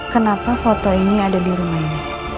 kenapa foto ini ada di rumahnya